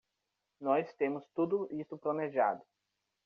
Nós temos tudo isso planejado.